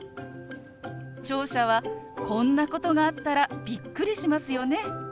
聴者はこんなことがあったらびっくりしますよね。